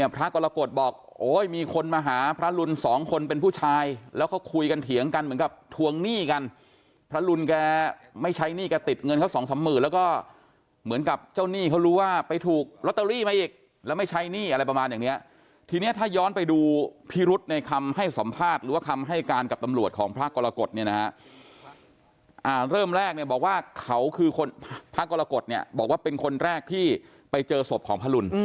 พระกรกฎบอกโอ้ยมีคนมาหาพระลุนสองคนเป็นผู้ชายแล้วก็คุยกันเถียงกันเหมือนกับทวงหนี้กันพระลุนแกไม่ใช้หนี้ก็ติดเงินเขาสองสามหมื่นแล้วก็เหมือนกับเจ้าหนี้เขารู้ว่าไปถูกลอตเตอรี่มาอีกแล้วไม่ใช้หนี้อะไรประมาณอย่างเนี้ยทีเนี้ยถ้าย้อนไปดูพิรุษในคำให้สัมภาษณ์หรือว่าคำให้การกับตำลวดของ